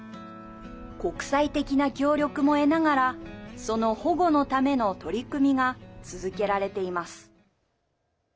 国際的な協力も得ながらその保護のための取り組みが続けられています。